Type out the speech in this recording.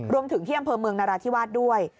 รวมถึงที่อำเภอเมืองนราธิวาสด้วย